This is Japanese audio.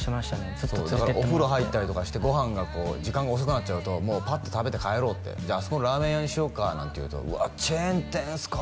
ずっと連れてってもらってお風呂入ったりとかしてご飯が時間が遅くなっちゃうともうパッて食べて帰ろうって「あそこのラーメン屋にしようか」とか言うと「うわっチェーン店っすか」